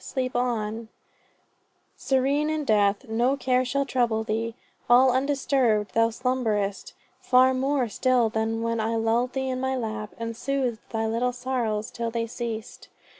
Sleep on, Serene in death. No care shall trouble thee. All undisturbed thou slumberest; far more still Than when I lulled thee in my lap, and sooth'd Thy little sorrows till they ceased....